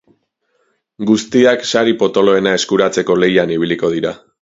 Guztiak sari potoloena eskuratzeko lehian ibiliko dira.